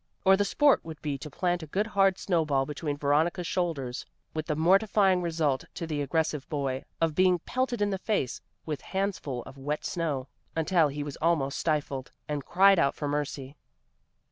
Or the sport would be to plant a good hard snow ball between Veronica's shoulders, with the mortifying result to the aggressive boy, of being pelted in the face with handfuls of wet snow, until he was almost stifled, and cried out for mercy.